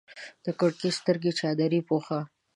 د کړکۍ سترګې چادرې پوښه